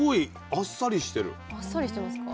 あっさりしてますか。